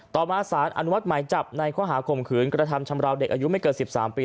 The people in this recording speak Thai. ต่อมาสารอนุมัติหมายจับในข้อหาข่มขืนกระทำชำราวเด็กอายุไม่เกิน๑๓ปี